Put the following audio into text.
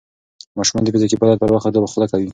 ماشومان د فزیکي فعالیت پر وخت خوله کوي.